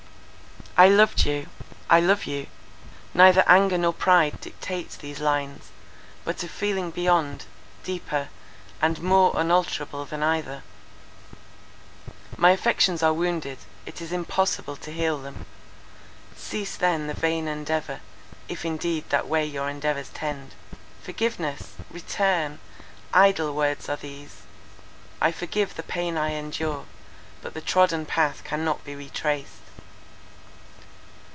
"I loved you—I love you—neither anger nor pride dictates these lines; but a feeling beyond, deeper, and more unalterable than either. My affections are wounded; it is impossible to heal them:—cease then the vain endeavour, if indeed that way your endeavours tend. Forgiveness! Return! Idle words are these! I forgive the pain I endure; but the trodden path cannot be retraced.